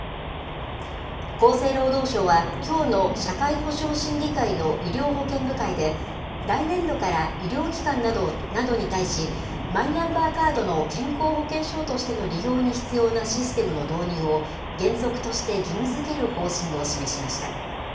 厚生労働省は、きょうの社会保障審議会の医療保険部会で、来年度から医療機関などに対し、マイナンバーカードの健康保険証としての利用に必要なシステムの導入を、原則として義務づける方針を示しました。